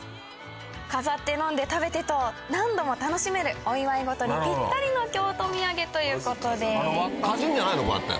飾って飲んで食べてと何度も楽しめるお祝い事にぴったりの京都土産ということです。